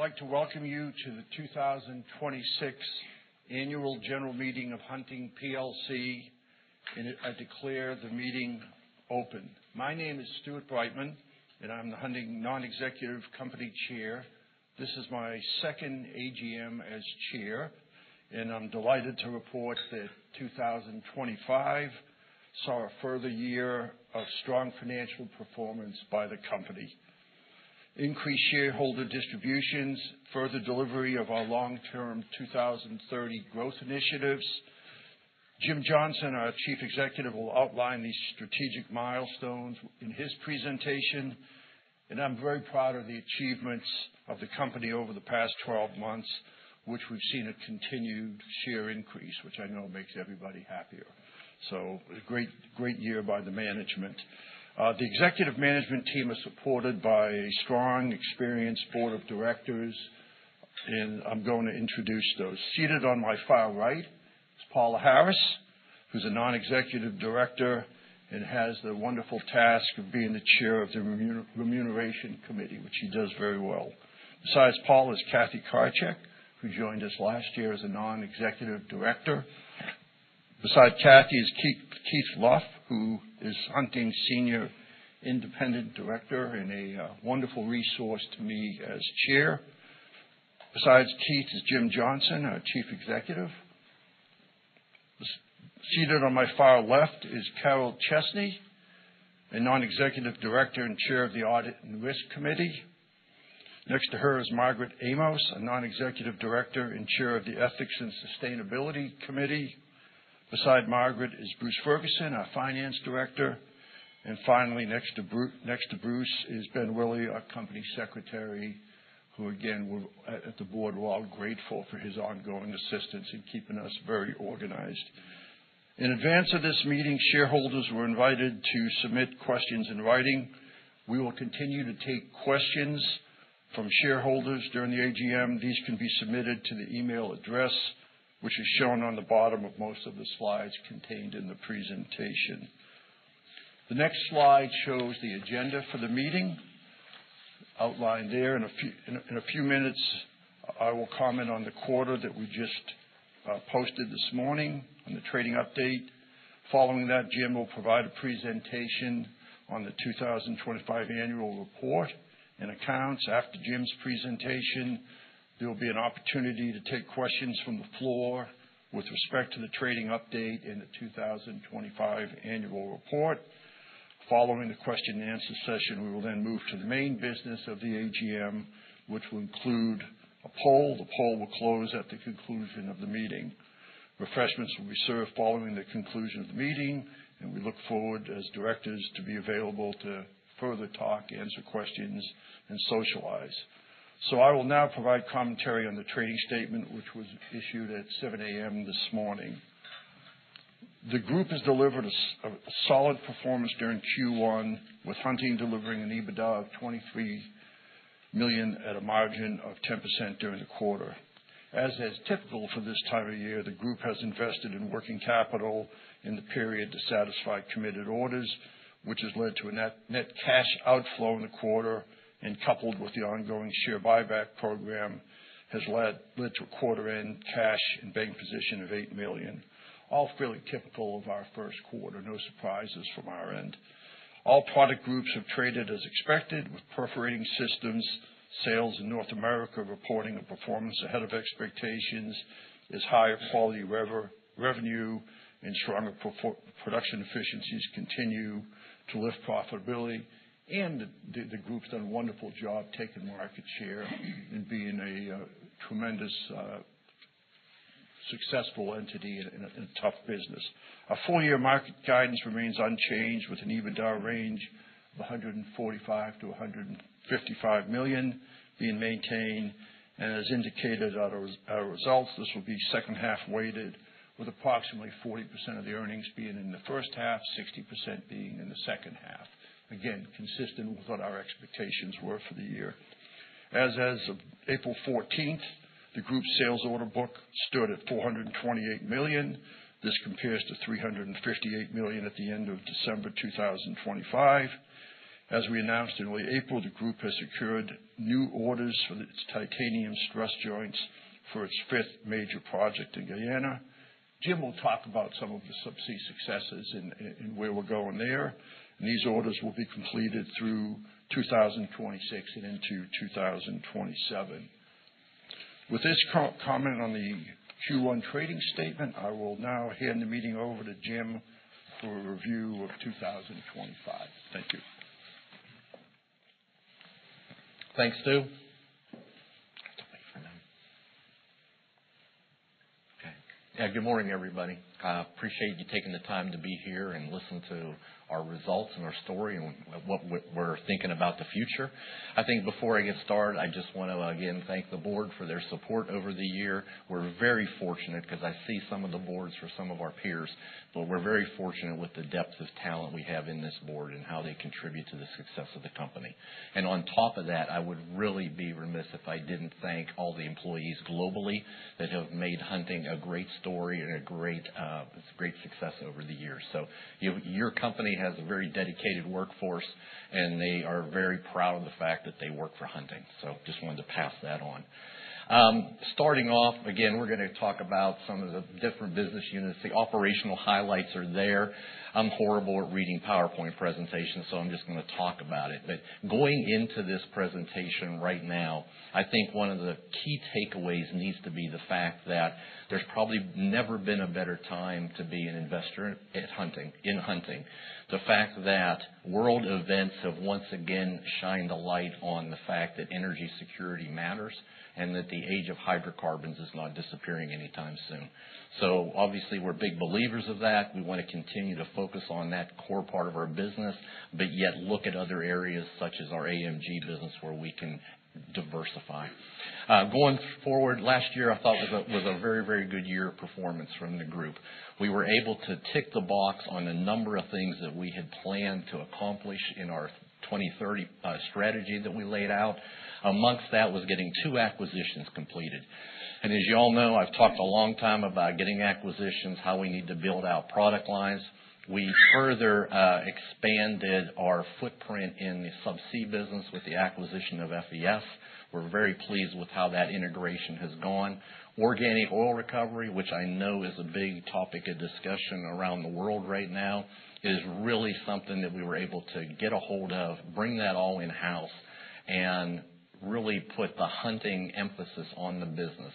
I would like to welcome you to the 2026 Annual General Meeting of Hunting PLC, and I declare the meeting open. My name is Stuart Brightman, and I'm the Hunting Non-Executive Company Chair. This is my second AGM as Chair, and I'm delighted to report that 2025 saw a further year of strong financial performance by the Company, increased shareholder distributions, further delivery of our long-term 2030 growth initiatives. Jim Johnson, our Chief Executive, will outline these strategic milestones in his presentation, and I'm very proud of the achievements of the Company over the past 12 months, which we've seen a continued share increase, which I know makes everybody happier. A great year by the Management. The Executive Management Team is supported by a strong, experienced Board of Directors, and I'm going to introduce those. Seated on my far right is Paula Harris, who's a Non-Executive Director and has the wonderful task of being the Chair of the Remuneration Committee, which she does very well. Besides Paula is Cathy Krajicek, who joined us last year as a Non-Executive Director. Beside Cathy is Keith Lough, who is Hunting Senior Independent Director and a wonderful resource to me as Chair. Besides Keith is Jim Johnson, our Chief Executive. Seated on my far left is Carol Chesney, a Non-Executive Director and Chair of the Audit and Risk Committee. Next to her is Margaret Amos, a Non-Executive Director and Chair of the Ethics and Sustainability Committee. Beside Margaret is Bruce Ferguson, our Finance Director. Finally, next to Bruce is Ben Willey, our Company Secretary, who again, at the Board, we're all grateful for his ongoing assistance in keeping us very organized. In advance of this meeting, shareholders were invited to submit questions in writing. We will continue to take questions from shareholders during the AGM. These can be submitted to the email address, which is shown on the bottom of most of the slides contained in the presentation. The next slide shows the agenda for the meeting outlined there. In a few minutes, I will comment on the quarter that we just posted this morning on the Trading Update. Following that, Jim will provide a presentation on the 2025 Annual Report and Accounts. After Jim's presentation, there will be an opportunity to take questions from the floor with respect to the Trading Update and the 2025 Annual Report. Following the question and answer session, we will then move to the main business of the AGM, which will include a poll. The poll will close at the conclusion of the meeting. Refreshments will be served following the conclusion of the meeting, and we look forward as Directors to be available to further talk, answer questions, and socialize. I will now provide commentary on the trading statement, which was issued at 7:00 A.M. this morning. The Group has delivered a solid performance during Q1, with Hunting delivering an EBITDA of $23 million at a margin of 10% during the quarter. As is typical for this time of year, the Group has invested in working capital in the period to satisfy committed orders, which has led to a net cash outflow in the quarter, and coupled with the ongoing share buyback program, has led to a quarter-end cash and bank position of $8 million. All fairly typical of our first quarter. No surprises from our end. All product groups have traded as expected, with Perforating Systems sales in North America reporting a performance ahead of expectations as higher quality revenue and stronger production efficiencies continue to lift profitability. The Group's done a wonderful job taking market share and being a tremendously successful entity in a tough business. Our full-year market guidance remains unchanged, with an EBITDA range of $145 million-$155 million being maintained. As indicated by our results, this will be second-half weighted with approximately 40% of the earnings being in the first half, 60% being in the second half, again, consistent with what our expectations were for the year. As of April 14th, the Group's sales order book stood at $428 million. This compares to $358 million at the end of December 2025. As we announced in early April, the Group has secured new orders for its titanium stress joints for its fifth major project in Guyana. Jim will talk about some of the subsea successes and where we're going there. These orders will be completed through 2026 and into 2027. With this comment on the Q1 trading statement, I will now hand the meeting over to Jim for a review of 2025. Thank you. Thanks, Stu. Have to wait for them. Okay. Good morning, everybody. I appreciate you taking the time to be here and listen to our results and our story and what we're thinking about the future. I think before I get started, I just want to again thank the Board for their support over the year. We're very fortunate because I see some of the boards for some of our peers, but we're very fortunate with the depth of talent we have in this Board and how they contribute to the success of the Company. On top of that, I would really be remiss if I didn't thank all the employees globally that have made Hunting a great story and a great success over the years. Your Company has a very dedicated workforce and they are very proud of the fact that they work for Hunting. I just wanted to pass that on. Starting off, again, we're going to talk about some of the different business units. The operational highlights are there. I'm horrible at reading PowerPoint presentations, so I'm just going to talk about it. Going into this presentation right now, I think one of the key takeaways needs to be the fact that there's probably never been a better time to be an investor in Hunting, the fact that world events have once again shined a light on the fact that energy security matters, and that the age of hydrocarbons is not disappearing anytime soon. Obviously, we're big believers of that. We want to continue to focus on that core part of our business, but yet look at other areas such as our AMG business, where we can diversify. Going forward, last year I thought was a very good year of performance from the Group. We were able to tick the box on a number of things that we had planned to accomplish in our 2030 Strategy that we laid out. Amongst that was getting two acquisitions completed. As you all know, I've talked a long time about getting acquisitions, how we need to build out product lines. We further expanded our footprint in the subsea business with the acquisition of FES. We're very pleased with how that integration has gone. Organic Oil Recovery, which I know is a big topic of discussion around the world right now, is really something that we were able to get a hold of, bring that all in-house, and really put the Hunting emphasis on the business,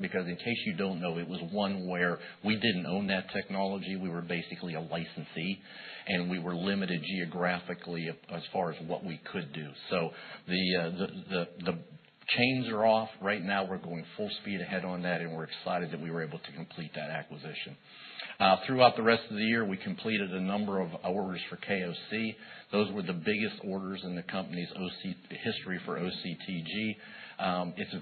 because in case you don't know, it was one where we didn't own that technology. We were basically a licensee, and we were limited geographically as far as what we could do. The chains are off. Right now, we're going full speed ahead on that, and we're excited that we were able to complete that acquisition. Throughout the rest of the year, we completed a number of orders for KOC. Those were the biggest orders in the company's history for OCTG. It's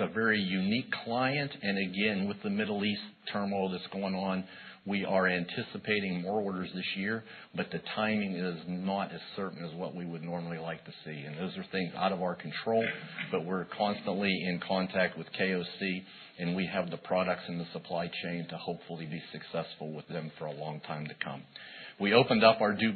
a very unique client. Again, with the Middle East turmoil that's going on, we are anticipating more orders this year, but the timing is not as certain as what we would normally like to see. Those are things out of our control, but we're constantly in contact with KOC, and we have the products and the supply chain to hopefully be successful with them for a long time to come. We opened up our new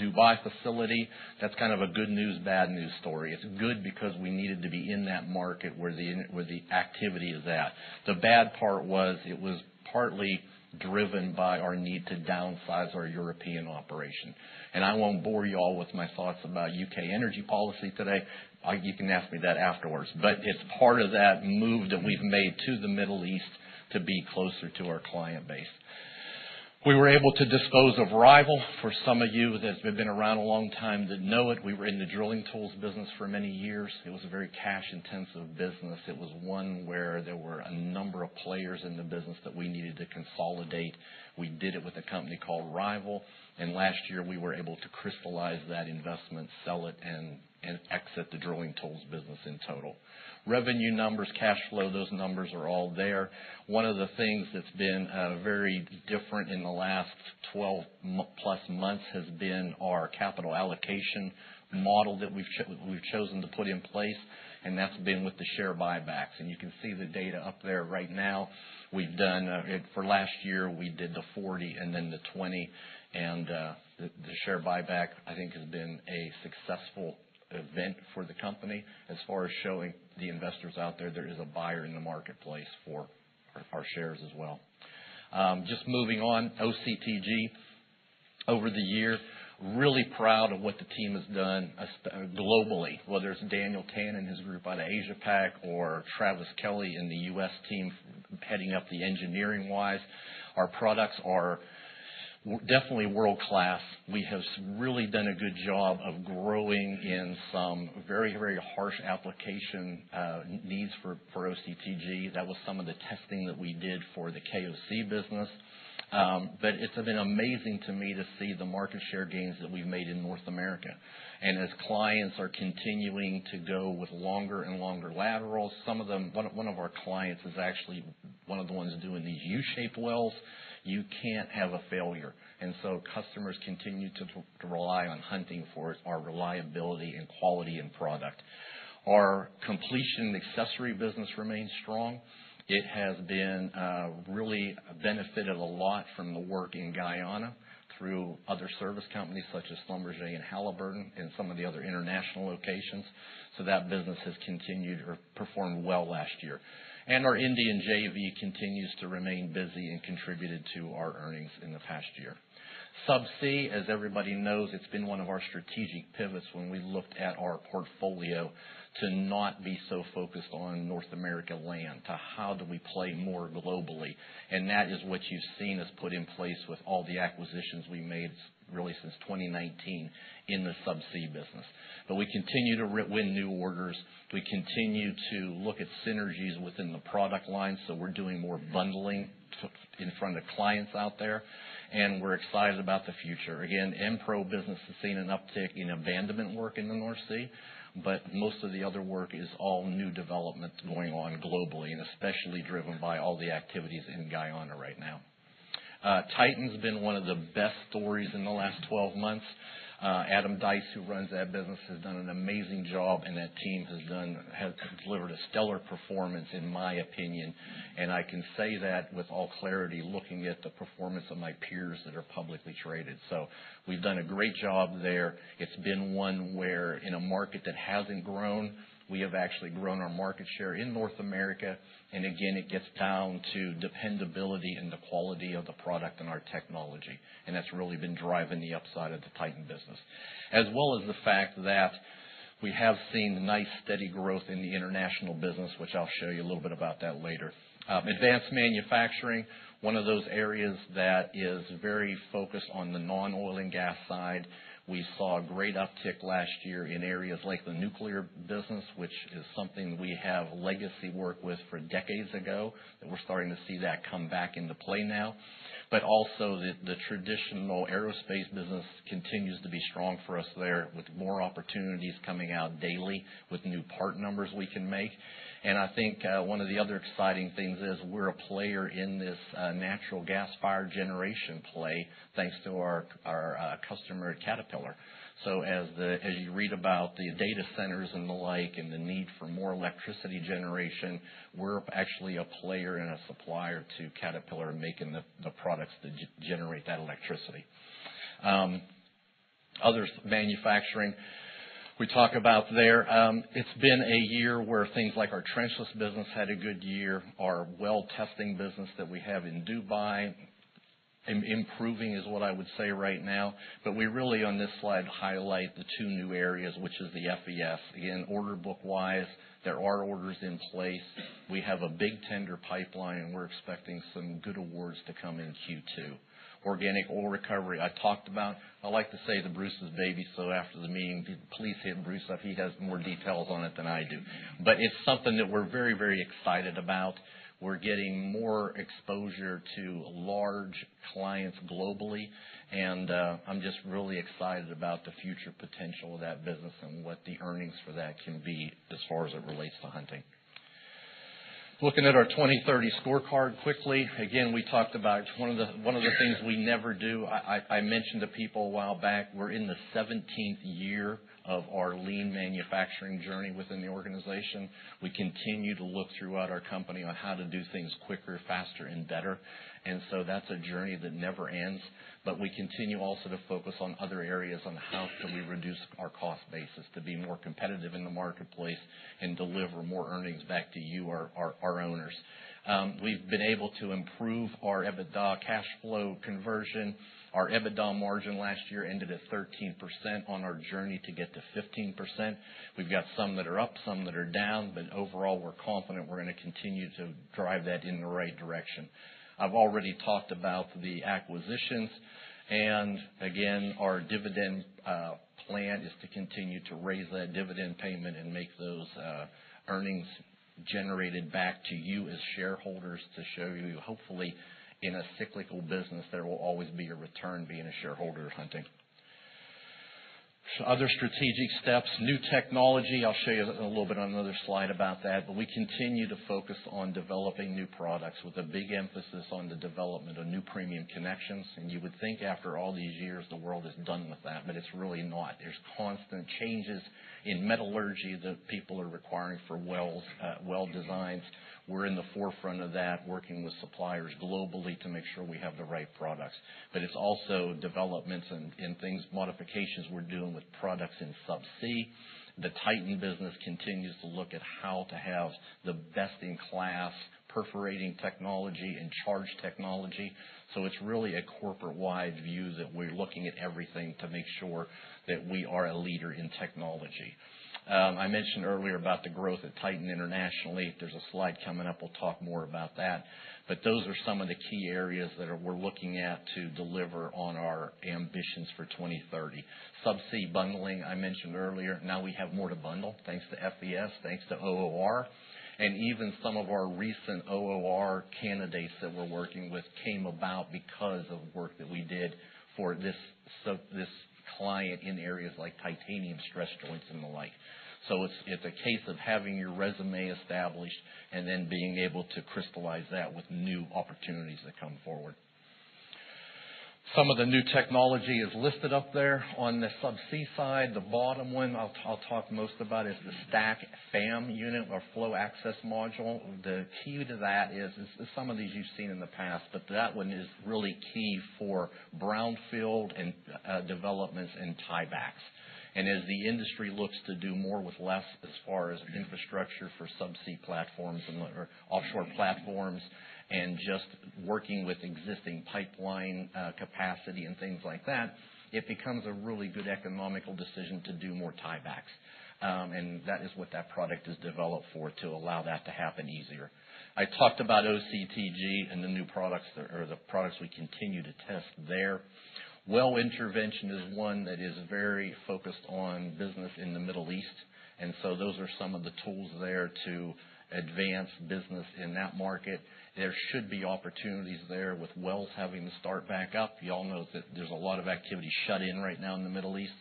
Dubai facility. That's kind of a good news, bad news story. It's good because we needed to be in that market where the activity is at. The bad part was it was partly driven by our need to downsize our European operation. I won't bore you all with my thoughts about U.K. energy policy today. You can ask me that afterwards, but it's part of that move that we've made to the Middle East to be closer to our client base. We were able to dispose of Rival. For some of you that have been around a long time didn't know it, we were in the drilling tools business for many years. It was a very cash-intensive business. It was one where there were a number of players in the business that we needed to consolidate. We did it with a company called Rival, and last year, we were able to crystallize that investment, sell it, and exit the drilling tools business in total. Revenue numbers, cash flow, those numbers are all there. One of the things that's been very different in the last 12+ months has been our capital allocation model that we've chosen to put in place, and that's been with the share buybacks, and you can see the data up there right now. For last year, we did the $40 and then the $20. The share buyback, I think, has been a successful event for the company as far as showing the investors out there is a buyer in the marketplace for our shares as well. Just moving on. OCTG. Over the year, I'm really proud of what the team has done globally, whether it's Daniel Tan and his group out of Asia-Pac or Travis Kelly in the U.S. team heading up the engineering side. Our products are definitely world-class. We have really done a good job of growing in some very harsh application needs for OCTG. That was some of the testing that we did for the KOC business. It's been amazing to me to see the market share gains that we've made in North America. As clients are continuing to go with longer and longer laterals, one of our clients is actually one of the ones doing these U-shaped wells. You can't have a failure, and so customers continue to rely on Hunting for our reliability and quality in product. Our completion and accessory business remains strong. It has been really benefited a lot from the work in Guyana through other service companies such as Schlumberger and Halliburton and some of the other international locations. That business has continued to perform well last year. Our Indian JV continues to remain busy and contributed to our earnings in the past year. Subsea, as everybody knows, it's been one of our strategic pivots when we looked at our portfolio to not be so focused on North America land, to how do we play more globally. That is what you've seen us put in place with all the acquisitions we made really since 2019 in the subsea business. We continue to win new orders. We continue to look at synergies within the product line, so we're doing more bundling in front of clients out there, and we're excited about the future. Again, Enpro business has seen an uptick in abandonment work in the North Sea, but most of the other work is all new development going on globally, and especially driven by all the activities in Guyana right now. Titan's been one of the best stories in the last 12 months. Adam Dyess, who runs that business, has done an amazing job, and that team has delivered a stellar performance in my opinion. I can say that with all clarity, looking at the performance of my peers that are publicly traded. We've done a great job there. It's been one where, in a market that hasn't grown, we have actually grown our market share in North America. Again, it gets down to dependability and the quality of the product and our technology. That's really been driving the upside of the Titan business. As well as the fact that we have seen nice steady growth in the international business, which I'll show you a little bit about that later, Advanced Manufacturing, one of those areas that is very focused on the non-oil and gas side, we saw a great uptick last year in areas like the nuclear business, which is something we have legacy work with from decades ago, and we're starting to see that come back into play now. Also, the traditional aerospace business continues to be strong for us there, with more opportunities coming out daily with new part numbers we can make. I think one of the other exciting things is we're a player in this natural gas-fired generation play, thanks to our customer at Caterpillar. As you read about the data centers and the like and the need for more electricity generation, we're actually a player and a supplier to Caterpillar in making the products that generate that electricity. Other manufacturing we talk about there, it's been a year where things like our trenchless business had a good year. Our well-testing business that we have in Dubai, improving is what I would say right now. We really, on this slide, highlight the two new areas, which is the FES. Again, order book-wise, there are orders in place. We have a big tender pipeline, and we're expecting some good awards to come in Q2. Organic Oil Recovery I talked about. I like to say the Bruce's baby, so after the meeting, please hit Bruce up. He has more details on it than I do. It's something that we're very excited about. We're getting more exposure to large clients globally, and I'm just really excited about the future potential of that business and what the earnings for that can be as far as it relates to Hunting. Looking at our 2030 Scorecard quickly. Again, we talked about one of the things we never do. I mentioned to people a while back. We're in the 17th year of our lean manufacturing journey within the organization. We continue to look throughout our company on how to do things quicker, faster, and better. That's a journey that never ends. We continue also to focus on other areas on how can we reduce our cost basis to be more competitive in the marketplace and deliver more earnings back to you, our owners. We've been able to improve our EBITDA cash flow conversion. Our EBITDA margin last year ended at 13% on our journey to get to 15%. We've got some that are up, some that are down, but overall, we're confident we're going to continue to drive that in the right direction. I've already talked about the acquisitions. Again, our dividend plan is to continue to raise that dividend payment and make those earnings generated back to you as shareholders to show you, hopefully, in a cyclical business, there will always be a return being a shareholder of Hunting. Other strategic steps, new technology, I'll show you a little bit on another slide about that. We continue to focus on developing new products with a big emphasis on the development of new premium connections. You would think after all these years, the world is done with that, but it's really not. There's constant changes in metallurgy that people are requiring for well designs. We're in the forefront of that, working with suppliers globally to make sure we have the right products. It's also developments in things, modifications we're doing with products in subsea. The Titan business continues to look at how to have the best-in-class perforating technology and charge technology. It's really a corporate-wide view that we're looking at everything to make sure that we are a leader in technology. I mentioned earlier about the growth at Titan internationally. There's a slide coming up. We'll talk more about that. Those are some of the key areas that we're looking at to deliver on our ambitions for 2030. Subsea bundling, I mentioned earlier. Now we have more to bundle, thanks to FES, thanks to OOR. Even some of our recent OOR candidates that we're working with came about because of work that we did for this client in areas like titanium stress joints and the like. It's a case of having your resume established and then being able to crystallize that with new opportunities that come forward. Some of the new technology is listed up there. On the subsea side, the bottom one I'll talk most about is the STACK FAM unit or Flow Access Module. The key to that is some of these you've seen in the past, but that one is really key for brownfield and developments and tiebacks. As the industry looks to do more with less as far as infrastructure for subsea platforms and offshore platforms and just working with existing pipeline capacity and things like that, it becomes a really good economical decision to do more tiebacks. That is what that product is developed for to allow that to happen easier. I talked about OCTG and the new products or the products we continue to test there. Well intervention is one that is very focused on business in the Middle East, and so those are some of the tools there to advance business in that market. There should be opportunities there with wells having to start back up. You all know that there's a lot of activity shut in right now in the Middle East.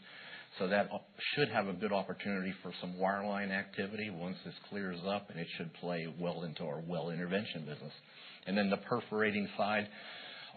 That should have a good opportunity for some wireline activity once this clears up, and it should play well into our well intervention business. The perforating side,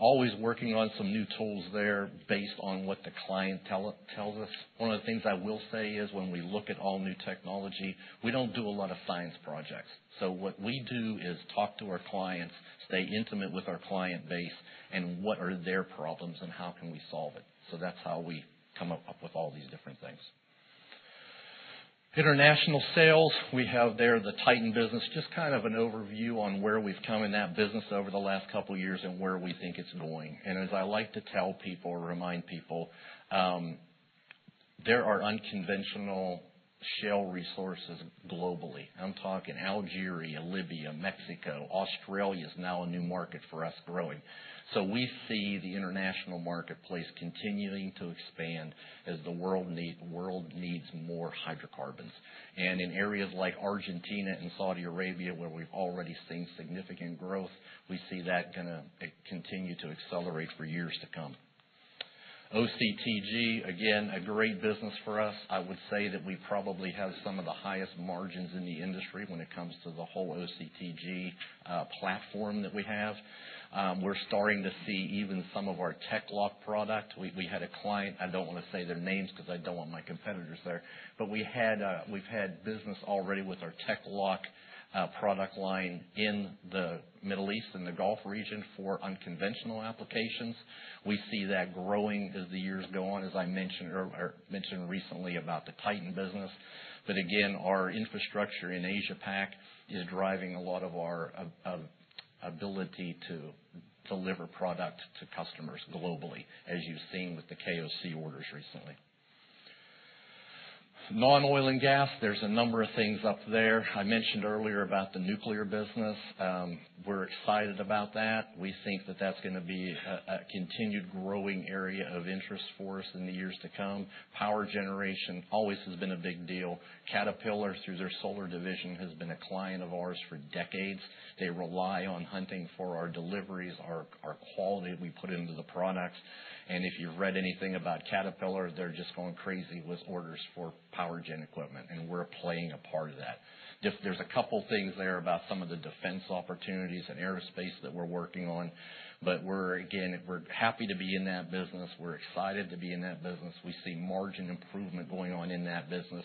always working on some new tools there based on what the client tells us. One of the things I will say is, when we look at all new technology, we don't do a lot of science projects. What we do is talk to our clients, stay intimate with our client base, and what are their problems and how can we solve it. That's how we come up with all these different things. International sales, we have there the Titan business, just kind of an overview on where we've come in that business over the last couple of years and where we think it's going. As I like to tell people or remind people, there are unconventional shale resources globally. I'm talking Algeria, Libya, Mexico. Australia is now a new market for us growing. We see the international marketplace continuing to expand as the world needs more hydrocarbons. In areas like Argentina and Saudi Arabia, where we've already seen significant growth, we see that going to continue to accelerate for years to come. OCTG, again, a great business for us. I would say that we probably have some of the highest margins in the industry when it comes to the whole OCTG platform that we have. We're starting to see even some of our TEC-LOCK product. We had a client, I don't want to say their names, because I don't want my competitors there, but we've had business already with our TEC-LOCK product line in the Middle East and the Gulf region for unconventional applications. We see that growing as the years go on, as I mentioned recently about the Titan business. Again, our infrastructure in Asia PAC is driving a lot of our ability to deliver product to customers globally, as you've seen with the KOC orders recently. Non-oil and gas, there's a number of things up there. I mentioned earlier about the nuclear business. We're excited about that. We think that that's going to be a continued growing area of interest for us in the years to come. Power generation always has been a big deal. Caterpillar, through their solar division, has been a client of ours for decades. They rely on Hunting for our deliveries, our quality we put into the product. If you've read anything about Caterpillar, they're just going crazy with orders for power gen equipment, and we're playing a part of that. There's a couple things there about some of the defense opportunities and aerospace that we're working on. We're, again, happy to be in that business. We're excited to be in that business. We see margin improvement going on in that business,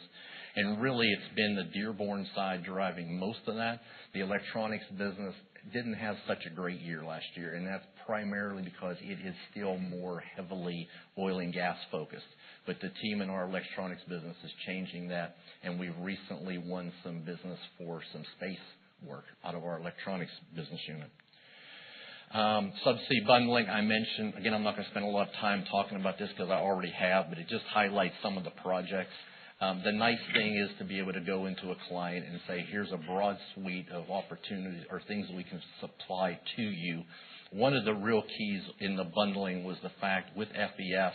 and really it's been the Dearborn side driving most of that. The electronics business didn't have such a great year last year, and that's primarily because it is still more heavily oil and gas focused. The team in our electronics business is changing that, and we've recently won some business for some space work out of our electronics business unit. Subsea bundling, I mentioned. Again, I'm not going to spend a lot of time talking about this because I already have, but it just highlights some of the projects. The nice thing is to be able to go into a client and say, "Here's a broad suite of opportunities or things we can supply to you." One of the real keys in the bundling was the fact with FES,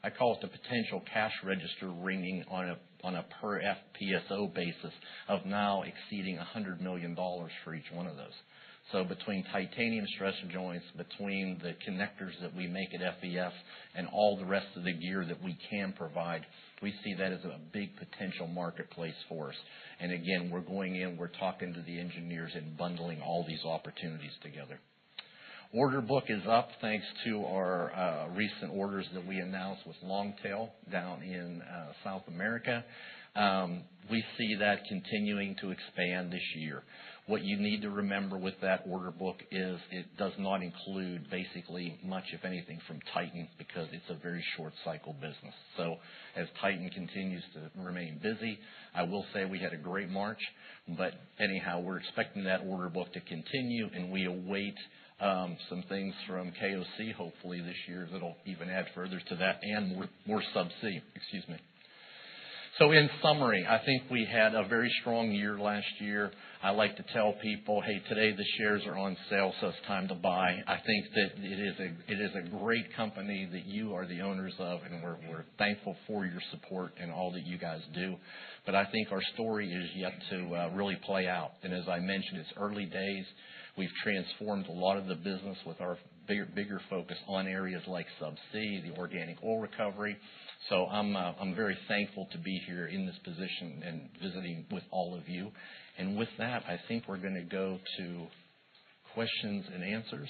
I call it the potential cash register ringing on a per FPSO basis of now exceeding $100 million for each one of those. Between titanium stress joints, between the connectors that we make at FES and all the rest of the gear that we can provide, we see that as a big potential marketplace for us. Again, we're going in, we're talking to the engineers and bundling all these opportunities together. The order book is up thanks to our recent orders that we announced with Longtail down in South America. We see that continuing to expand this year. What you need to remember with that order book is it does not include basically much of anything from Titan because it's a very short-cycle business. As Titan continues to remain busy, I will say we had a great March, but anyhow, we're expecting that order book to continue and we await some things from KOC hopefully this year that'll even add further to that and more subsea. Excuse me. In summary, I think we had a very strong year last year. I like to tell people, "Hey, today the shares are on sale, so it's time to buy." I think that it is a great company that you are the owners of, and we're thankful for your support and all that you guys do. I think our story is yet to really play out. As I mentioned, it's early days. We've transformed a lot of the business with our bigger focus on areas like subsea, the Organic Oil Recovery. I'm very thankful to be here in this position and visiting with all of you. With that, I think we're going to go to questions and answers.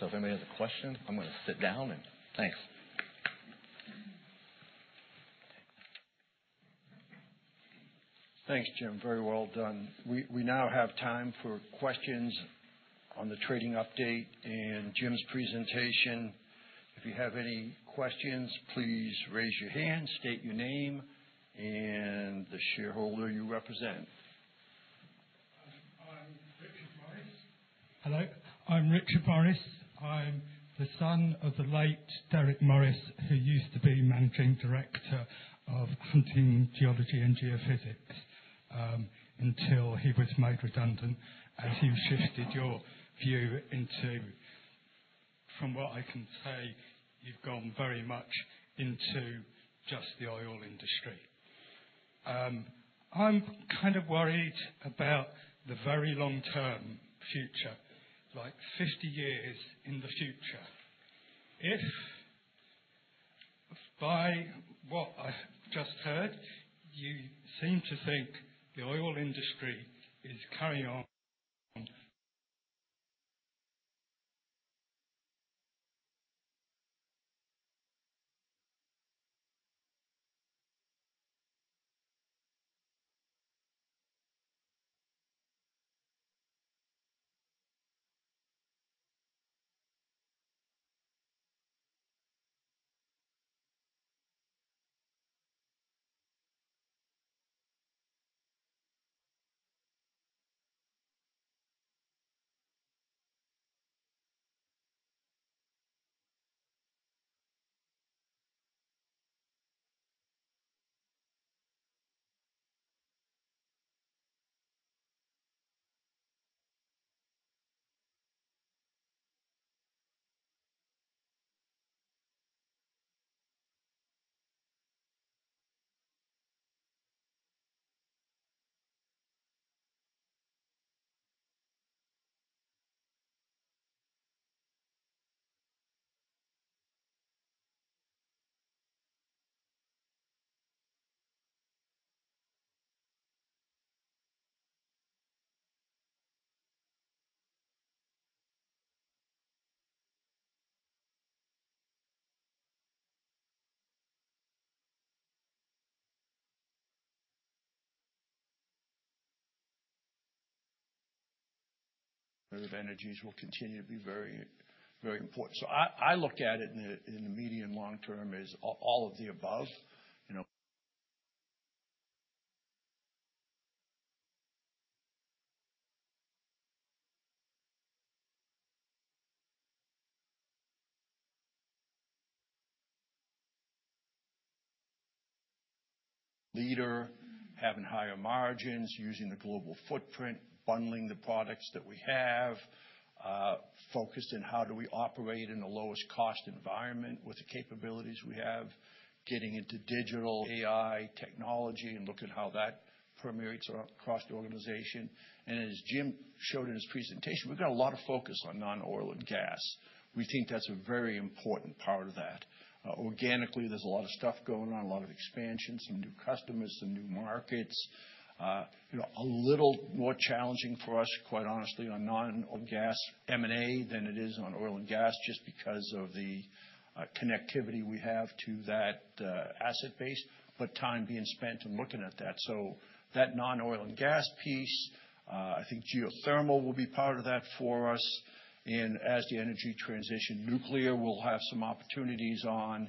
If anybody has a question, I'm going to sit down, and thanks. Thanks, Jim. Very well done. We now have time for questions on the trading update and Jim's presentation. If you have any questions, please raise your hand, state your name and the shareholder you represent. Hello, I'm Richard Morris. I'm the son of the late Derek Morris, who used to be Managing Director of Hunting Geology and Geophysics, until he was made redundant and he shifted your view into, from what I can say, you've gone very much into just the oil industry. I'm kind of worried about the very long-term future, like 50 years in the future. If by what I just heard, you seem to think the oil industry is carry on. Renewable energies will continue to be very important. I look at it in the medium-long term as all of the above. Leader, having higher margins, using the global footprint, bundling the products that we have, focused on how do we operate in the lowest-cost environment with the capabilities we have, getting into digital AI technology and look at how that permeates across the organization. As Jim showed in his presentation, we've got a lot of focus on non-oil and gas. We think that's a very important part of that. Organically, there's a lot of stuff going on, a lot of expansion, some new customers, some new markets. A little more challenging for us, quite honestly, on non-oil and gas M&A than it is on oil and gas just because of the connectivity we have to that asset base, but time being spent in looking at that. That non-oil and gas piece, I think geothermal will be part of that for us. As the energy transition, nuclear will have some opportunities on.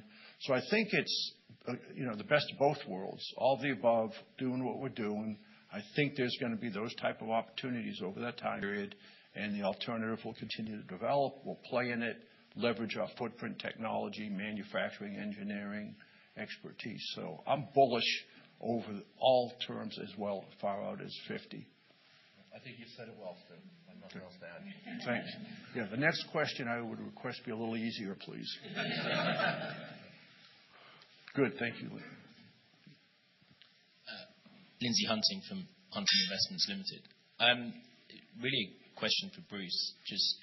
I think it's the best of both worlds, all the above, doing what we're doing. I think there's going to be those type of opportunities over that time period, and the alternative will continue to develop. We'll play in it, leverage our footprint, technology, manufacturing, engineering expertise. I'm bullish over all terms as well, far out as 2050. I think you said it well, Stuart. I'm not going to add. Thanks. Yeah. The next question I would request be a little easier, please. Good. Thank you. Lindsay Hunting from Hunting Investments Limited. Really a question for Bruce. Just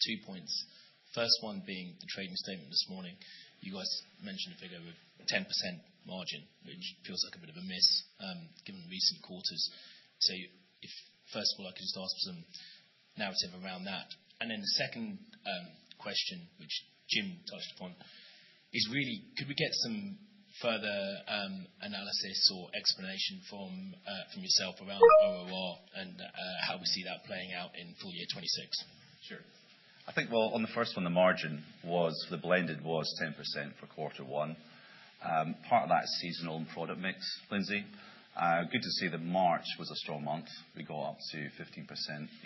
two points. First one being the trading statement this morning. You guys mentioned a figure of 10% margin, which feels like a bit of a miss, given the recent quarters. If first of all, I could just ask for some narrative around that. The second question, which Jim touched upon, is really could we get some further analysis or explanation from yourself around OOR and how we see that playing out in full year 2026? Sure. I think, well, on the first one, the blended was 10% for quarter one. Part of that is seasonal and product mix, Lindsay. Good to see that March was a strong month. We go up to 15%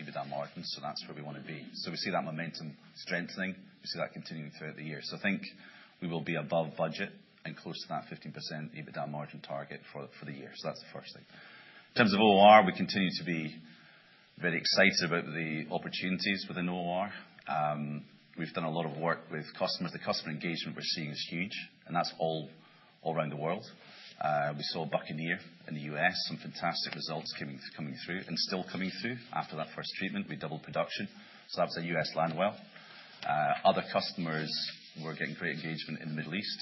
EBITDA margin, so that's where we want to be. We see that momentum strengthening. We see that continuing throughout the year. I think we will be above budget and close to that 15% EBITDA margin target for the year. That's the first thing. In terms of OOR, we continue to be very excited about the opportunities within OOR. We've done a lot of work with customers. The customer engagement we're seeing is huge, and that's all around the world. We saw Buccaneer in the U.S., some fantastic results coming through and still coming through after that first treatment. We doubled production. That was a U.S. land well. Other customers, we're getting great engagement in the Middle East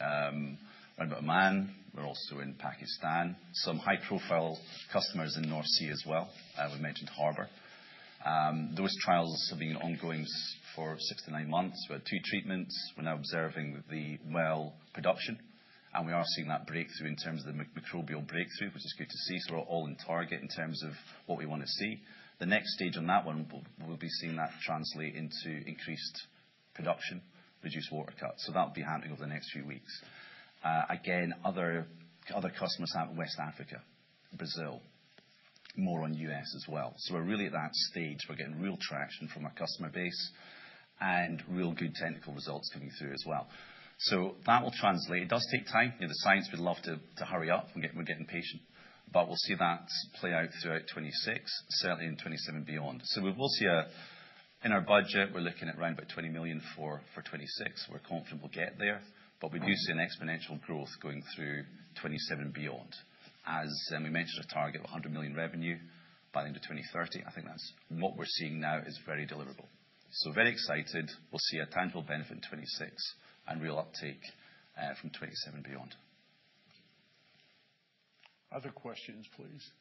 around Oman. We're also in Pakistan. Some high-profile customers in North Sea as well. We mentioned Harbour. Those trials have been ongoing for six to nine months. We had two treatments. We're now observing the well production, and we are seeing that breakthrough in terms of the microbial breakthrough, which is good to see. We're all on target in terms of what we want to see. The next stage on that one, we'll be seeing that translate into increased production, reduced water cut. That will be happening over the next few weeks. Again, other customers out in West Africa, Brazil, more on U.S. as well. We're really at that stage. We're getting real traction from our customer base and real good technical results coming through as well. That will translate. It does take time. The science, we'd love to hurry up. We're getting patient, but we'll see that play out throughout 2026, certainly in 2027 beyond. We will see in our budget, we're looking at around about $20 million for 2026. We're confident we'll get there, but we do see an exponential growth going through 2027 beyond. As we mentioned, a target of $100 million revenue by the end of 2030. I think that's what we're seeing now is very deliverable. Very excited. We'll see a tangible benefit in 2026 and real uptake from 2027 beyond. Other questions, please.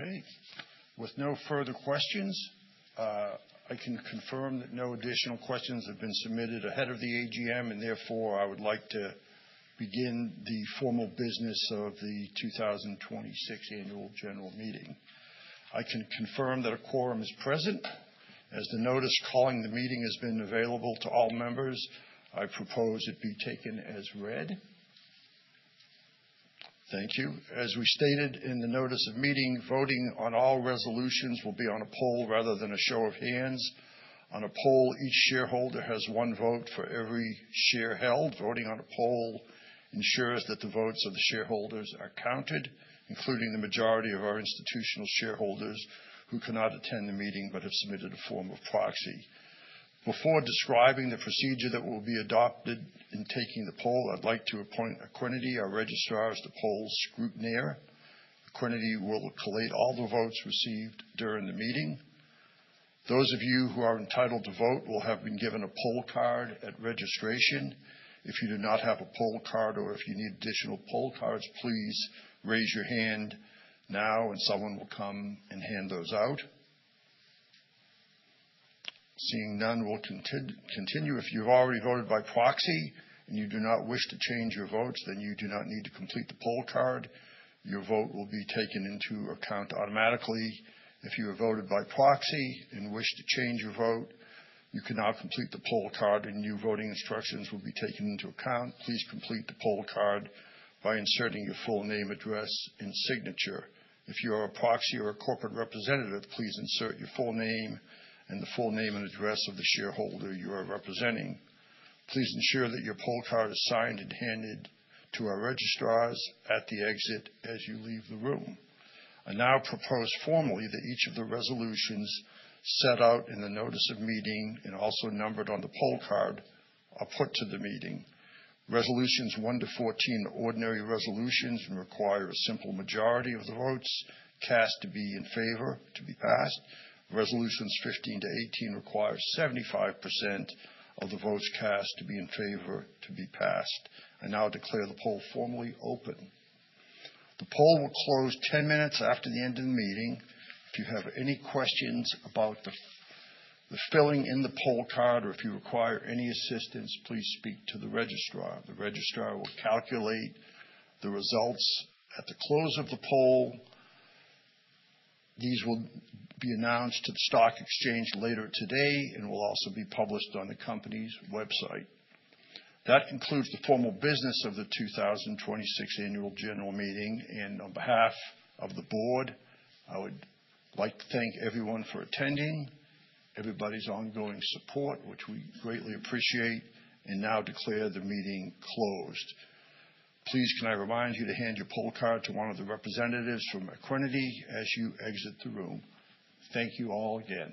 Okay. With no further questions, I can confirm that no additional questions have been submitted ahead of the AGM, and therefore, I would like to begin the formal business of the 2026 Annual General Meeting. I can confirm that a quorum is present, as the notice calling the meeting has been available to all members. I propose it be taken as read. Thank you. As we stated in the notice of meeting, voting on all resolutions will be on a poll rather than a show of hands. On a poll, each shareholder has one vote for every share held. Voting on a poll ensures that the votes of the shareholders are counted, including the majority of our institutional shareholders who cannot attend the meeting but have submitted a form of proxy. Before describing the procedure that will be adopted in taking the poll, I'd like to appoint Equiniti, our Registrar, as the Poll Scrutineer. Equiniti will collate all the votes received during the meeting. Those of you who are entitled to vote will have been given a poll card at registration. If you do not have a poll card or if you need additional poll cards, please raise your hand now and someone will come and hand those out. Seeing none, we'll continue. If you've already voted by proxy and you do not wish to change your votes, then you do not need to complete the poll card. Your vote will be taken into account automatically. If you have voted by proxy and wish to change your vote, you can now complete the poll card, and your voting instructions will be taken into account. Please complete the poll card by inserting your full name, address, and signature. If you are a proxy or a corporate representative, please insert your full name and the full name and address of the shareholder you are representing. Please ensure that your poll card is signed and handed to our registrars at the exit as you leave the room. I now propose formally that each of the resolutions set out in the notice of meeting, and also numbered on the poll card, are put to the meeting. Resolutions one to 14 are ordinary resolutions and require a simple majority of the votes cast to be in favor to be passed. Resolutions 15-18 require 75% of the votes cast to be in favor to be passed. I now declare the poll formally open. The poll will close 10 minutes after the end of the meeting. If you have any questions about the filling in the poll card or if you require any assistance, please speak to the Registrar. The Registrar will calculate the results at the close of the poll. These will be announced to the stock exchange later today and will also be published on the Company's website. That concludes the formal business of the 2026 Annual General Meeting. On behalf of the Board, I would like to thank everyone for attending, everybody's ongoing support, which we greatly appreciate, and now declare the meeting closed. Please, can I remind you to hand your poll card to one of the representatives from Equiniti as you exit the room. Thank you all again.